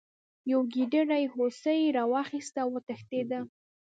یوې ګیدړې هوسۍ راواخیسته او وتښتیده.